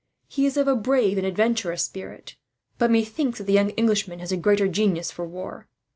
He is of a brave and adventurous spirit; but methinks that the young Englishman has a greater genius for war.